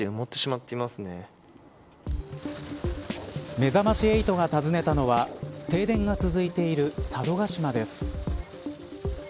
めざまし８が訪ねたのは停電が続いている佐渡島です。